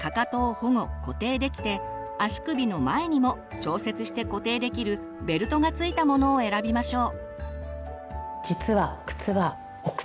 足首の前にも調節して固定できるベルトがついたものを選びましょう。